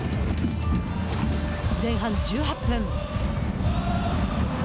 前半１８分。